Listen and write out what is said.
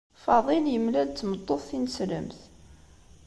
Faḍil yemlal d tmeṭṭut tineslemt.